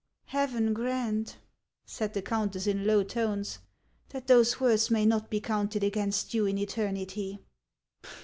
" Heaven grant," said the countess, in low tones, " that those words may not be counted against you in eternity."